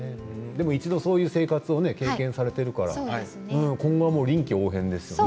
一度そういう生活を経験されているから今後は臨機応変ですよね。